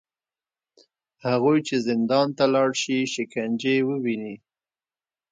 هغوی چې زندان ته لاړ شي، شکنجې وویني